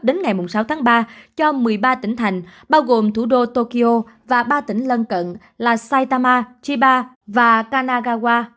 đến ngày sáu tháng ba cho một mươi ba tỉnh thành bao gồm thủ đô tokyo và ba tỉnh lân cận là saitama chiba và kanagawa